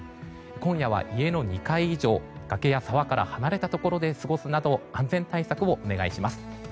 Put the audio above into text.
今夜は家の２階以上崖や沢から離れたところで過ごすなど安全対策をお願いします。